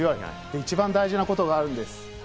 一番大事なことがあるんです。